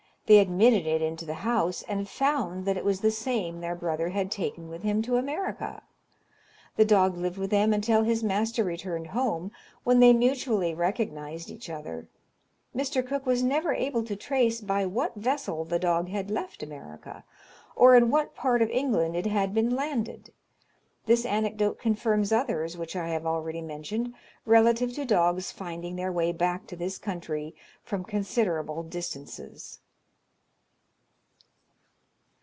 They admitted it into the house, and found that it was the same their brother had taken with him to America. The dog lived with them until his master returned home, when they mutually recognised each other. Mr. Cook was never able to trace by what vessel the dog had left America, or in what part of England it had been landed. This anecdote confirms others which I have already mentioned relative to dogs finding their way back to this country from considerable distances.